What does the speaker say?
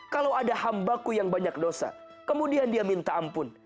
kalau ada hambaku yang banyak dosa kemudian dia minta ampun